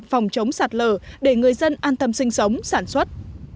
phòng chống sạt lở để người dân an tâm sinh sống sản xuất